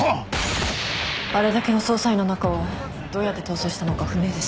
あれだけの捜査員の中をどうやって逃走したのか不明です。